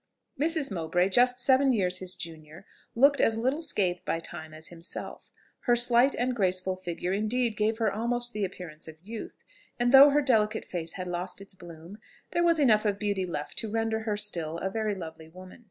Mrs. Mowbray, just seven years his junior, looked as little scathed by time as himself; her slight and graceful figure indeed gave her almost the appearance of youth; and though her delicate face had lost its bloom, there was enough of beauty left to render her still a very lovely woman.